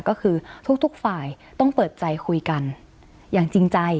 ก็คือทุกฝ่ายต้องเปิดใจคุยกันอย่างจริงใจ